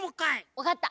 わかった。